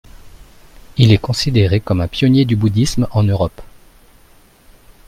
Il est considéré comme un pionnier du bouddhisme en Europe.